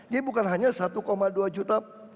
jadi bukan hanya satu dua juta